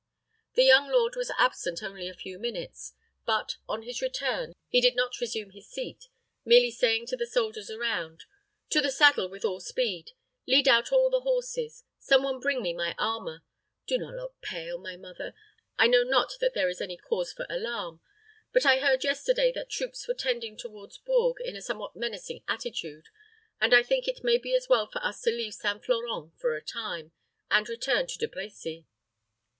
The young lord was absent only a few minutes; but, on his return, he did not resume his seat, merely saying to the soldiers around, "To the saddle with all speed. Lead out all the horses. Some one bring me my armor. Do not look pale, my mother; I know not that there is any cause for alarm; but I heard yesterday that troops were tending toward Bourges in a somewhat menacing attitude, and I think it may be as well for us to leave St. Florent for a time, and return to De Brecy."